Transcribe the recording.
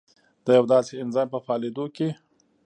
د یوه داسې انزایم په فعالېدو کې